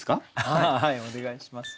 はいお願いします。